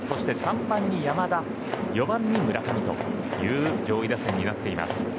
３番に山田４番に村上という上位打線になっています。